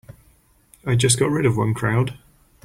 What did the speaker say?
I just got rid of one crowd.